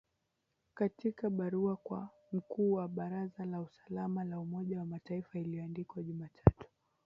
Katika barua kwa mkuu wa Baraza la Usalama la Umoja wa Mataifa iliyoandikwa Jumatatu